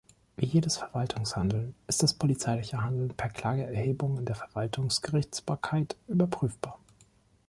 Wie jedes Verwaltungshandeln ist das polizeiliche Handeln per Klageerhebung in der Verwaltungsgerichtsbarkeit überprüfbar.